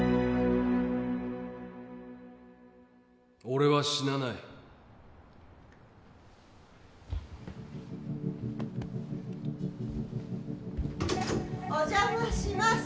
俺は死なない・・お邪魔します。